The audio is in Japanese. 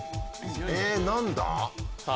え何だ？